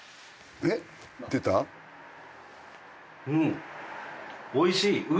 うんおいしい。